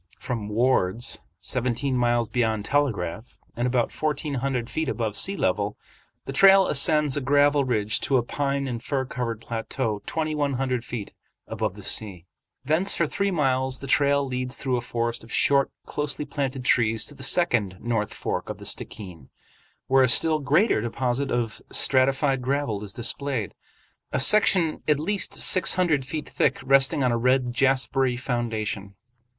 From "Ward's," seventeen miles beyond Telegraph, and about fourteen hundred feet above sea level, the trail ascends a gravel ridge to a pine and fir covered plateau twenty one hundred feet above the sea. Thence for three miles the trail leads through a forest of short, closely planted trees to the second North Fork of the Stickeen, where a still greater deposit of stratified gravel is displayed, a section at least six hundred feet thick resting on a red jaspery formation.